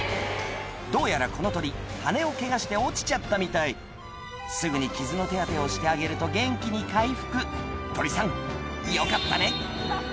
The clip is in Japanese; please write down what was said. どうやらこの鳥羽をケガして落ちちゃったみたいすぐに傷の手当てをしてあげると元気に回復鳥さんよかったね